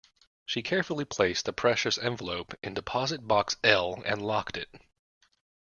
She carefully placed the precious envelope in deposit box L and locked it.